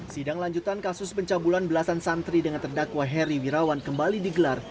sidang lanjutan kasus pencabulan belasan santri dengan terdakwa heri wirawan kembali digelar